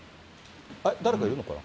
誰かいるのかな？